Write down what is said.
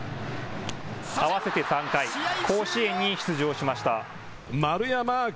合わせて３回、甲子園に出場しました。